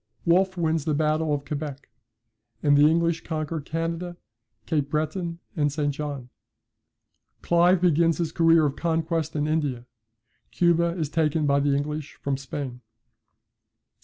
Wolfe wins the battle of Quebec, and the English conquer Canada, Cape Breton, and St. John. Clive begins his career of conquest in India. Cuba, is taken by the English from Spain. 1763.